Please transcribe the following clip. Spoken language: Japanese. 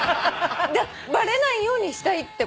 バレないようにしたいってことでしょ？